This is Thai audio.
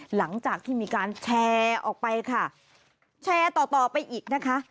หลังจากที่มีการแชร์ออกไปค่ะแชร์ต่อต่อไปอีกนะคะ